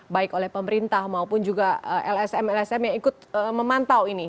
baik oleh pemerintah maupun juga lsm lsm yang ikut memantau ini